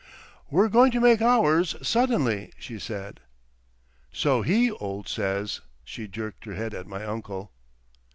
"We're going to make ours—suddenly," she said. "So he old says." She jerked her head at my uncle.